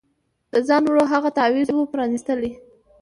د خان ورور هغه تعویذ وو پرانیستلی